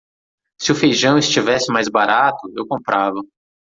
Se o feijão estivesse mais barato, eu comprava